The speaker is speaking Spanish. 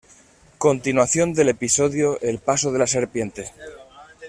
Continuación del episodio El Paso de la Serpiente.